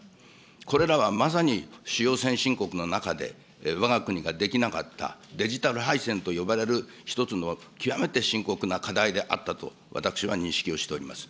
これらはまさに、主要先進国の中で、わが国ができなかったデジタル敗戦と呼ばれる、一つの極めて深刻な課題であったと、私は認識をしております。